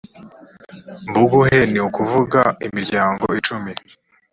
mbuguhe ni ukuvuga imiryango icumi